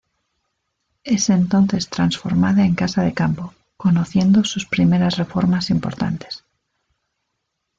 Es entonces transformada en casa de campo, conociendo sus primeras reformas importantes.